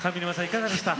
いかがでした？